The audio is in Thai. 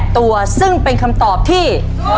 ตัวซึ่งเป็นคำตอบที่